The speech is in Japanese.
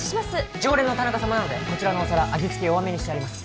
常連の田中様なのでこちらのお皿味付け弱めにしてあります